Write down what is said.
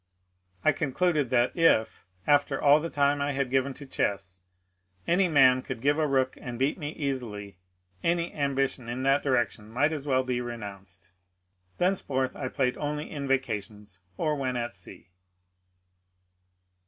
I concluded that if, after all the time I had given to chess, any man could give a rook and beat me easily, any ambition in that direction might as well be renounced. Thenceforth I played only in vacations or when at sea.